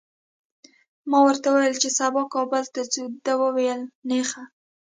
ما ورته وویل چي سبا کابل ته ځو، ده وویل نېخه!